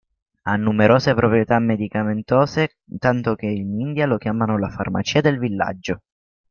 Ha numerose proprietà medicamentose tanto che in India lo chiamano "la farmacia del villaggio".